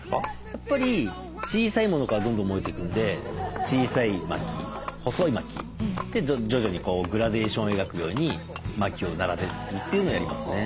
やっぱり小さいものからどんどん燃えていくんで小さい薪細い薪で徐々にグラデーションを描くように薪を並べるっていうのをやりますね。